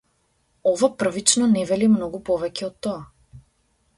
Ова првично не вели многу повеќе од тоа.